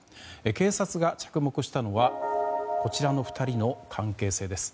警察が注目したのはこちらの２人の関係性です。